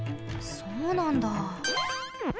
そうなんだ。